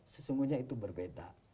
sesungguhnya itu berbeda